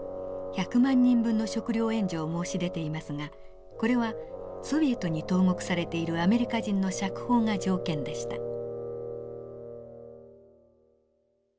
１００万人分の食糧援助を申し出ていますがこれはソビエトに投獄されているアメリカ人の釈放が条件でした。